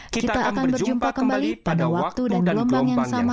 kita akan berjumpa kembali pada waktu dan gelombang yang sama esok hari